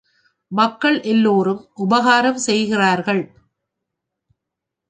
மக்கள் எல்லோரும் உபகாரம் செய்கிறார்கள்.